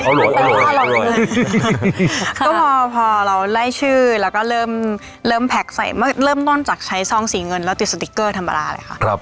ก็พอเราไล่ชื่อแล้วก็เริ่มแพ็คใส่เมื่อเริ่มต้นจากใช้ซองสีเงินแล้วติดสติ๊กเกอร์ธรรมดาเลยค่ะ